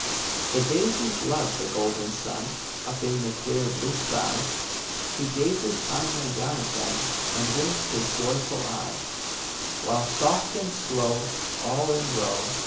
200 DAISY NURSES 201 The daisies love the golden sun, Up in the clear blue sky; He gazes kindly down at them, And winks his joyful eye, While soft and slow, all in row.